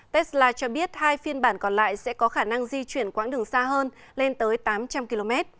tesla cho biết hai phiên bản còn lại sẽ có khả năng di chuyển quãng đường xa hơn lên tới tám trăm linh km